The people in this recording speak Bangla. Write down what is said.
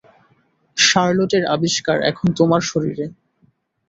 শার্লটের আবিষ্কার এখন তোমার শরীরে।